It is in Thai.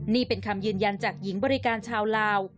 นี่เป็นคำยืนยันจากหญิงบริการชาวลาว